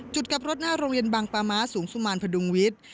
กลับรถหน้าโรงเรียนบางปาม้าสูงสุมารพดุงวิทย์